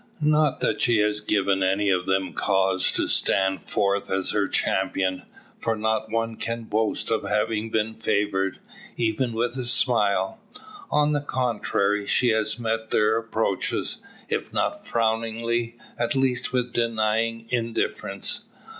Not that she has given any of them cause to stand forth as her champion; for not one can boast of having been favoured even with a smile. On the contrary, she has met their approaches if not frowningly, at least with denying indifference.